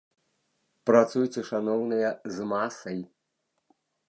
Працуйце, шаноўныя, з масай!